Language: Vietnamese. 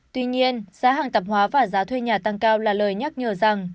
tuy nhiên giá hàng tạp hóa và giá thuê nhà tăng cao là lời nhắc nhở rằng